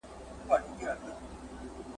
اوس هغه د «نارينه»